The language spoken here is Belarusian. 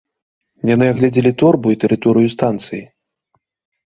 Яны аглядзелі торбу і тэрыторыю станцыі.